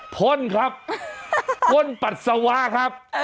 พ่นครับพ่นปัสสาวะครับ